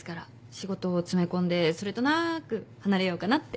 仕事を詰め込んでそれとなく離れようかなって。